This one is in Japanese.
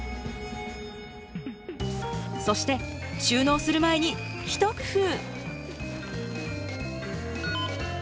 そして収納する前にひと工夫。